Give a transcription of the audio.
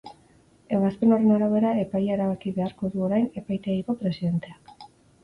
Ebazpen horren arabera epaia erabaki beharko du orain epaitegiko presidenteak.